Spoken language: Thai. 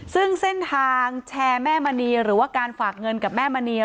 ซึ่งเส้นทางแชร์แม่มณีหรือว่าการฝากเงินกับแม่มณี